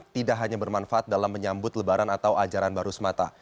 tidak hanya bermanfaat dalam menyambut lebaran atau ajaran baru semata